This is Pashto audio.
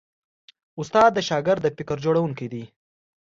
استاد د شاګرد د فکر جوړوونکی دی.